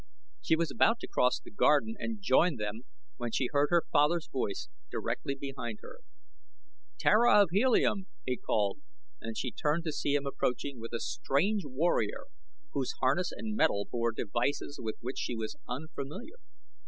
She was about to cross the garden and join them when she heard her father's voice directly behind her. "Tara of Helium!" he called, and she turned to see him approaching with a strange warrior whose harness and metal bore devices with which she was unfamiliar.